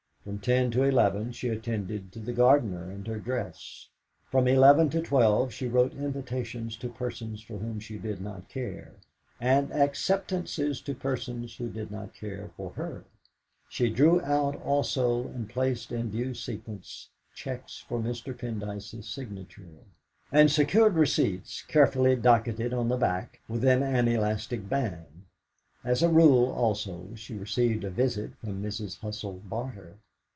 From ten to eleven she attended to the gardener and her dress. From eleven to twelve she wrote invitations to persons for whom she did not care, and acceptances to persons who did not care for her; she drew out also and placed in due sequence cheques for Mr. Pendyce's signature; and secured receipts, carefully docketed on the back, within an elastic band; as a rule, also, she received a visit from Mrs. Husell Barter.